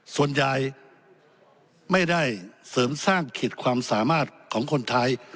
ส่วนใหญ่ไม่ได้เสริมสร้างขีดความสามารถของคนไทย